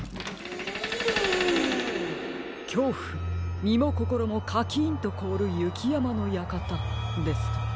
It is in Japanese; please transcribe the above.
「きょうふみもこころもカキンとこおるゆきやまのやかた」ですか。